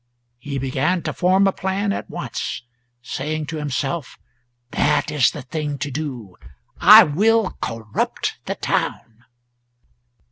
He began to form a plan at once, saying to himself "That is the thing to do I will corrupt the town."